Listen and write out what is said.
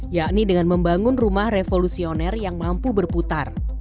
yakni dengan membangun rumah revolusioner yang mampu berputar